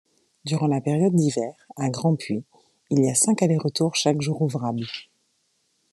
Durant la période d'hiver, à Grandpuits, il y a cinq aller-retours chaque jour ouvrable.